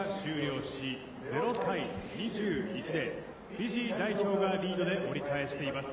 フィジー代表がリードしています。